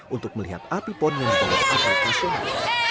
untuk melihat api pon yang dibawa api nasional